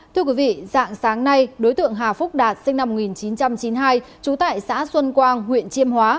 thưa quý vị dạng sáng nay đối tượng hà phúc đạt sinh năm một nghìn chín trăm chín mươi hai trú tại xã xuân quang huyện chiêm hóa